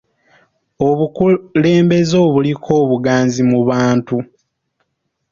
Obukulembeze obuliko buganzi mu bantu.